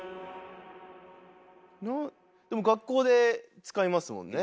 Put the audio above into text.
でも学校で使いますもんね。